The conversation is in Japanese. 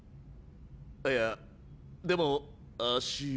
いやでも足。